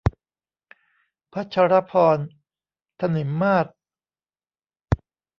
พชรภรณ์ ถนิมมาศ